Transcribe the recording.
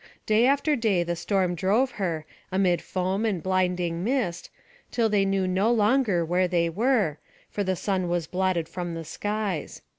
Day after day the storm drove her, amid foam and blinding mist, till they knew no longer where they were, for the sun was blotted from the skies.